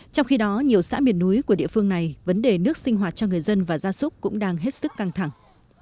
trong khi đó nhiều xã miền núi của địa phương này vấn đề nước sinh hoạt cho người dân và gia súc cũng đang hết sức căng thẳng